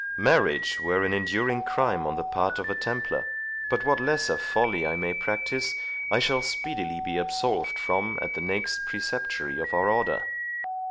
Marriage were an enduring crime on the part of a Templar; but what lesser folly I may practise, I shall speedily be absolved from at the next Preceptory of our Order.